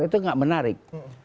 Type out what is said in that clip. itu enggak menarik